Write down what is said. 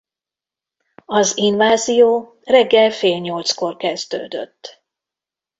Az invázió reggel fél nyolckor kezdődött.